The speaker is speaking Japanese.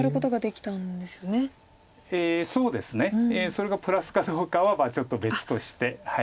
それがプラスかどうかはちょっと別として。